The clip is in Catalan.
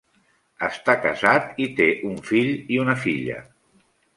Està casat i té un fill i una filla.